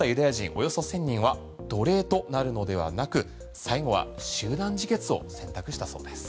およそ１０００人は奴隷となるのではなく最後は集団自決を選択したそうです。